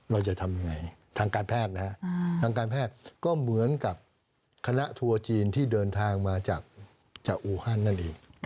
เราจะทำยังไงทางการแพทย์นะฮะทางการแพทย์ก็เหมือนกับคณะทัวร์จีนที่เดินทางมาจากอูฮันนั่นเอง